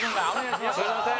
すみません。